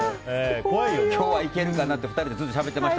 今日はいけるかな？って２人でずっとしゃべってました